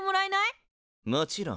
もちろん。